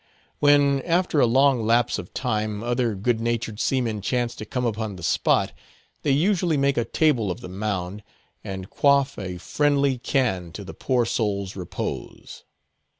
When, after a long lapse of time, other good natured seamen chance to come upon the spot, they usually make a table of the mound, and quaff a friendly can to the poor soul's repose.